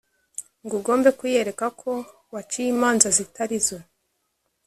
ngo ugombe kuyereka ko waciye imanza zitari zo.